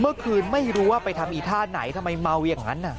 ไม่รู้ว่าไปทำอีท่าไหนทำไมเมาอย่างนั้น